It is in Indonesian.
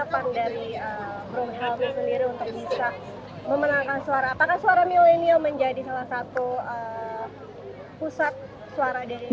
atau pusat suara di